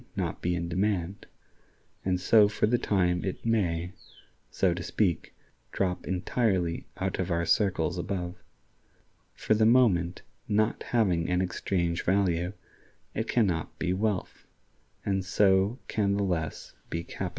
not be in demand), and so for the time it may, so to speak, drop entirely out of our circles above. For the moment, not having an exchange value, it can not be wealth, and so can the less be capital.